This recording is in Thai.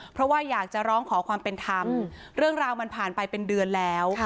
เพราะว่าอยากจะร้องขอความเป็นธรรมเรื่องราวมันผ่านไปเป็นเดือนแล้ว